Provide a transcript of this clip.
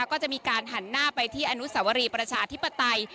ก็จะมีการหันหน้าไปที่อนุสวรีประชาธิปไตย